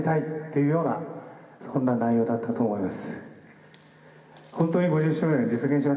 いうようなそんな内容だったと思います。